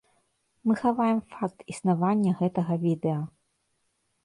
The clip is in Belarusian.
Мы хаваем факт існавання гэтага відэа!